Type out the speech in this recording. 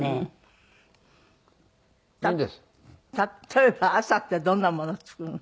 例えば朝ってどんなものを作る？